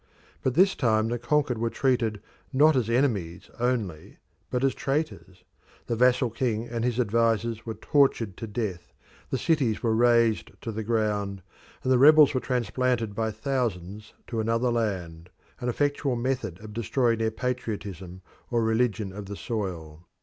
But this time the conquered were treated not as enemies only but as traitors. The vassal king and his advisers were tortured to death, the cities were razed to the ground, and the rebels were transplanted by thousands to another land an effectual method of destroying their patriotism or religion of the soil.